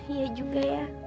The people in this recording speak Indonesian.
iya juga ya